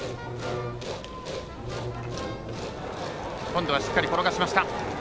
今度は、しっかり転がしてきました。